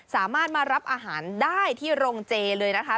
สามารถมารับอาหารได้ที่โรงเจเลยนะคะ